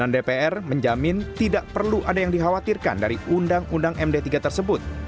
dpr menjamin tidak perlu ada yang dikhawatirkan dari undang undang md tiga tersebut